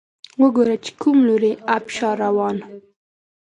وګوره چې کوم لوری ابشار روان